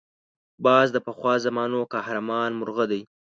باز د پخوا زمانو قهرمان مرغه دی